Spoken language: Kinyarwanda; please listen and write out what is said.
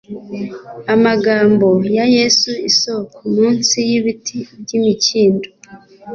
Amagambo ya Yesu isoko munsi yibiti byimikindo